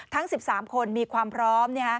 ทั้ง๑๓คนมีความพร้อม